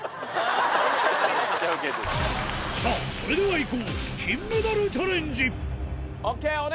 さぁそれではいこう！